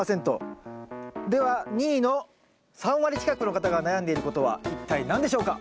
では２位の３割近くの方が悩んでいることは一体何でしょうか？